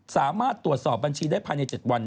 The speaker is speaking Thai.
สามารถตรวจสอบบัญชีได้ภายใน๗วัน